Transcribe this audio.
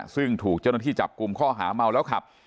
ซึ่งถูกเจ้าหน้าที่จับกลุ่มข้อหาเมาแล้วขับ